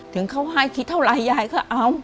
ถึงเขาให้คิดเท่าไรยายก็เอา